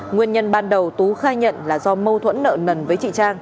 nguyên nhân ban đầu tú khai nhận là do mâu thuẫn nợ nần với chị trang